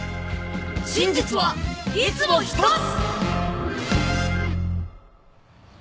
真実はいつも１つ！